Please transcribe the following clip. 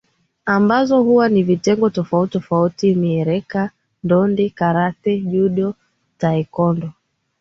ambazo huwa na vitengo tofauti tofauti miereka Ndodi kareti judo taekwondo